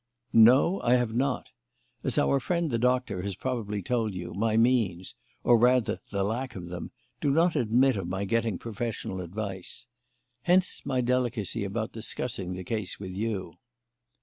"No, I have not. As our friend the Doctor has probably told you, my means or rather, the lack of them do not admit of my getting professional advice. Hence my delicacy about discussing the case with you."